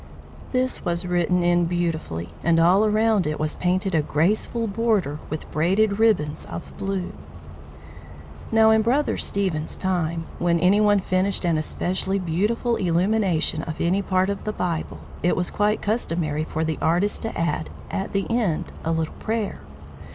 This was written in beautifully, and all around it was painted a graceful border like braided ribbons of blue. Now in Brother Stephen's time, when any one finished an especially beautiful illumination of any part of the Bible, it was quite customary for the artist to add, at the end, a little prayer.